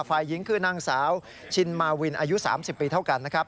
ฝ่ายหญิงคือนางสาวชินมาวินอายุ๓๐ปีเท่ากันนะครับ